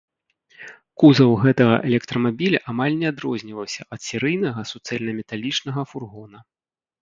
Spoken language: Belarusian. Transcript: Кузаў гэтага электрамабіля амаль не адрозніваўся ад серыйнага суцэльнаметалічнага фургона.